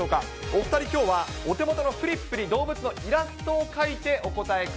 お２人、きょうはお手元のフリップに動物のイラストを描いてお答